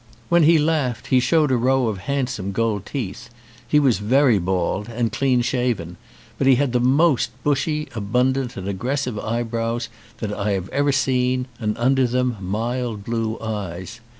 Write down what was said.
When he laughed he showed a row of handsome gold teeth. He was very bald, and clean shaven; but he had the most bushy, abun dant, and aggressive eyebrows that I have ever seen, and under them mild blue eyes.